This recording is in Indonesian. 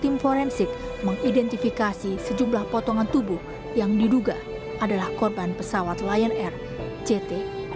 tim forensik mengidentifikasi sejumlah potongan tubuh yang diduga adalah korban pesawat lion air jt enam ratus sepuluh